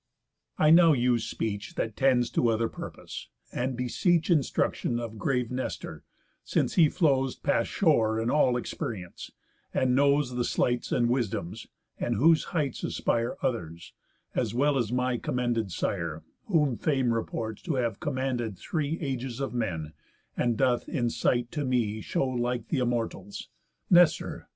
I'll now use speech That tends to other purpose; and beseech Instruction of grave Nestor, since he flows Past shore in all experience, and knows The sleights and wisdoms, and whose heights aspire Others, as well as my commended sire, Whom Fame reports to have commanded three Ages of men, and doth in sight to me Show like th' Immortals. Nestor!